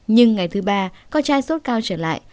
nhưng ngày thứ ba con trai sốt cao trở lại